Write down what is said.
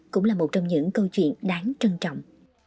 cũng là một trong những câu chuyện đáng trân trọng